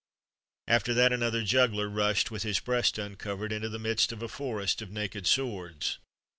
[XXXV 90] After that, another juggler rushed, with his breast uncovered, into the midst of a forest of naked swords.